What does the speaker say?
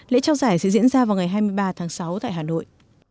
lễ trao giải sẽ diễn ra vào ngày hai mươi ba tháng sáu tại hà nội